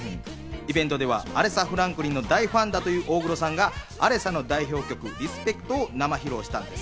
イベントではアレサ・フランクリンの大ファンだという大黒さんがアレサの代表曲『リスペクト』を生披露したんです。